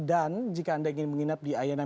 dan jika anda ingin menginap di ayana